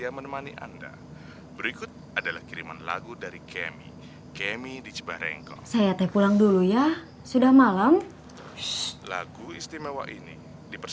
wah main main rekaman dari chmedi derivatives